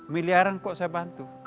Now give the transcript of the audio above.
miliaran kok saya bantu